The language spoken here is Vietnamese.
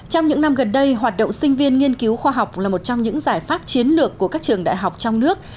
trong những năm gần đây hoạt động sinh viên nghiên cứu khoa học là một trong những giải pháp chiến lược của các trường đại học trong nước